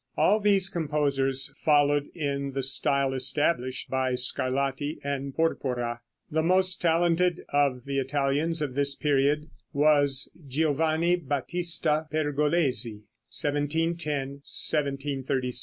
All these composers followed in the style established by Scarlatti and Porpora. The most talented of the Italians of this period was Giovanni Batista Pergolesi (1710 1737).